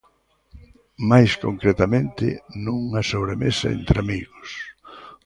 Mais, concretamente, nunha sobremesa entre amigos.